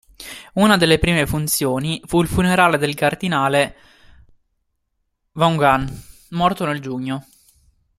Una delle prime funzioni fu il funerale del cardinale Vaughan, morto nel giugno.